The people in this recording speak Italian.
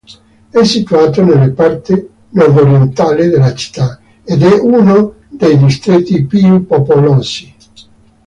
È situato nella parte nordorientale della città ed è uno dei distretti più popolosi.